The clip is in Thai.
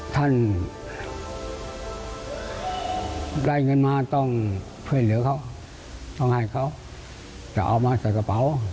ท่านได้เงินมาต้องช่วยเหลือเขาต้องให้เขาจะเอามาใส่กระเป๋า